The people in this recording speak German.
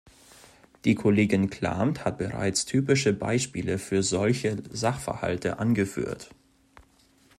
Die Kollegin Klamt hat bereits typische Beispiele für solche Sachverhalte angeführt.